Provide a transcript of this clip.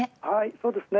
そうですね。